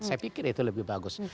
saya pikir itu lebih bagus